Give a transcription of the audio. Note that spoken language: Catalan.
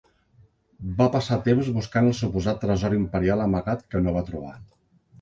Va passar temps buscant el suposat tresor imperial amagat que no va trobar.